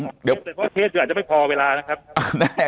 เพราะเทศอาจจะไม่พอเวลานะครับ